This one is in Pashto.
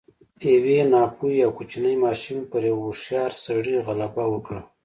يوې ناپوهې او کوچنۍ ماشومې پر يوه هوښيار سړي غلبه وکړه.